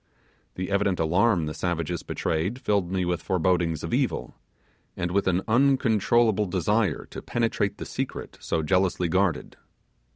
The evident alarm the savages betrayed filled me with forebodings of evil, and with an uncontrollable desire to penetrate the secret so jealously guarded.